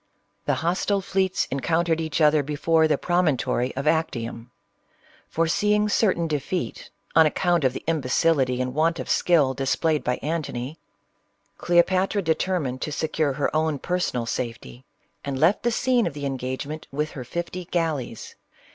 The hos tile fleets encountered each other before the promon tory of Actium. Foreseeing certain defeat, on account of the imbecility and want of skill displayed by An tony, Cleopatra determined to secure her own personal CLEOPATRA. 47 safety, and left, the scene of the engagement with her fifty galleys.